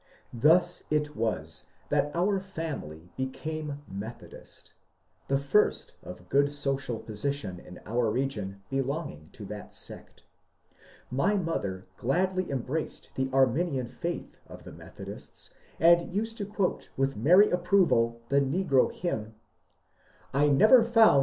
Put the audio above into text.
Thus it was that our family became Methodist, — the first of good social position in our region belonging to that sect. My mother gladly embraced the Arminian faith of the Methodbts, and used to quote, with merry approval, the negro hymn, —I never foan' no peace nor res' Till I jine the Methodess."